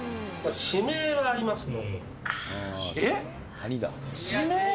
地名はありますね。